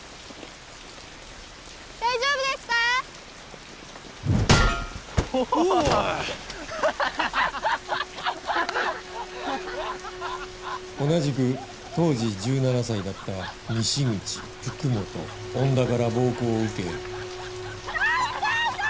大丈夫ですか？うおーいハッハハハ同じく当時１７歳だった西口福本恩田から暴行を受け助けてー！